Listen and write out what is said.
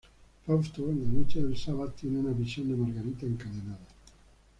Fausto, en la noche del Sabbat, tiene una visión de Margarita encadenada.